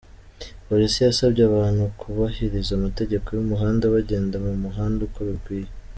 Polisi yasabye abantu kubahiriza amategeko y’umuhanda bagenda mu muhanda uko bikwiye.